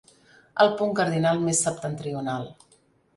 El punt cardinal més septentrional.